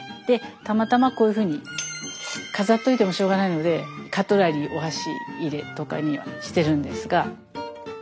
たまたまこういうふうに飾っておいてもしょうがないのでカトラリーお箸入れとかにはしてるんですが。